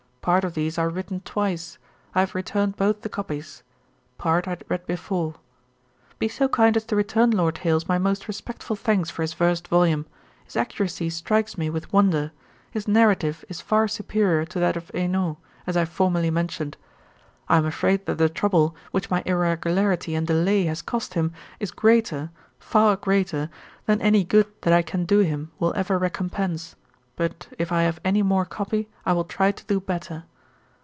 Part of these are written twice: I have returned both the copies. Part I had read before. 'Be so kind as to return Lord Hailes my most respectful thanks for his first volume; his accuracy strikes me with wonder; his narrative is far superiour to that of Henault, as I have formerly mentioned. 'I am afraid that the trouble, which my irregularity and delay has cost him, is greater, far greater, than any good that I can do him will ever recompense; but if I have any more copy, I will try to do better.